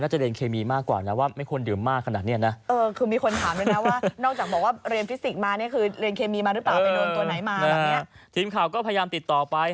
แหม่คุณคือเขาเปิดวาร์ฟกันเร็วจะตาย